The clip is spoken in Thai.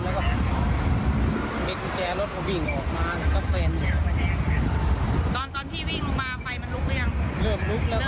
เริ่มลุกแล้วใช่ไหม